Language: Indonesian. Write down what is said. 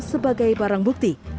sebagai barang bukti